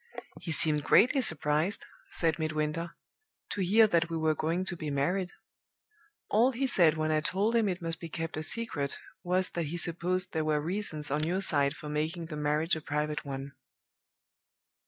"'He seemed greatly surprised,' said Midwinter, 'to hear that we were going to be married. All he said when I told him it must be kept a secret was that he supposed there were reasons on your side for making the marriage a private one.